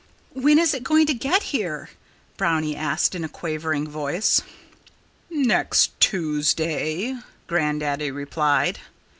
"When is it going to get here?" Brownie asked in a quavering voice. "Next Tuesday!" Grandaddy replied.